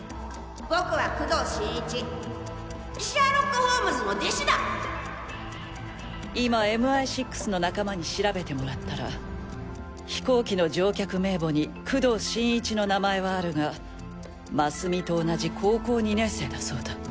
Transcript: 僕は工藤新一シャーロック・今ＭＩ６の仲間に調べてもらったら飛行機の乗客名簿に工藤新一の名前はあるが真純と同じ高校２年生だそうだ。